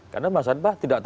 karena mas adbah